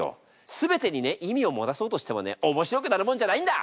全てにね意味を持たそうとしてもね面白くなるもんじゃないんだ！